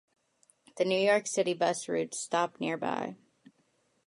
The New York City Bus routes stop nearby.